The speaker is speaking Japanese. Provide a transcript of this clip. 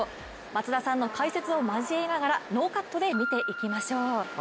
松田さんの解説を交えながらノーカットで見ていきましょう。